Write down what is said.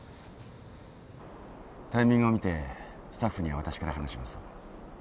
タイミングを見てスタッフには私から話します。